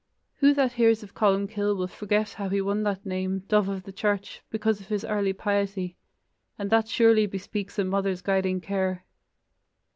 Who that hears of Columcille will forget how He won that name, "dove of the Church", because of his early piety, and that surely bespeaks a mother's guiding care.